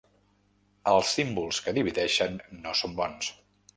Els símbols que divideixen no són bons.